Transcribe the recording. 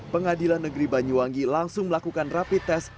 pengadilan negeri banyuwangi langsung melakukan rapid test